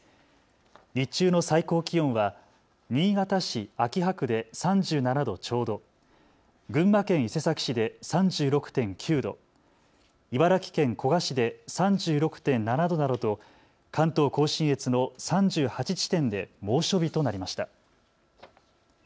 日中の最高気温は新潟市秋葉区で３７度ちょうど、群馬県伊勢崎市で３６．９度、茨城県古河市で３６．７度などと関東甲信越の３８地点で猛暑日となりました。